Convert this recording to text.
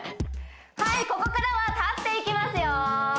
はいここからは立っていきますよ